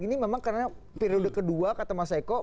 ini memang karena periode kedua kata mas eko